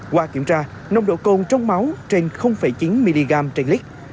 qua kiểm tra nồng độ cồn trong máu trên chín mg trên lít